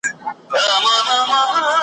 د خیر تمه به نه کوی له تورو خړو وریځو .